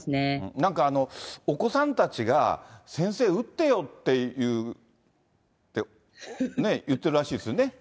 なんかお子さんたちが、先生、打ってよって言うって、言ってるらしいですよね。